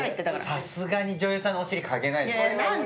さすがに女優さんのお尻嗅げないですよ。